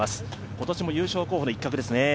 今年も優勝候補の一角ですね。